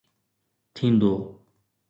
ٿيندو